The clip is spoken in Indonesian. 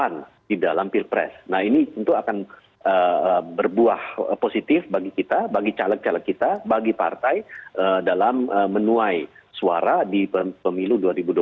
nah ini tentu akan berbuah positif bagi kita bagi caleg caleg kita bagi partai dalam menuai suara di pemilu dua ribu dua puluh empat